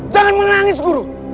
jangan menangis guru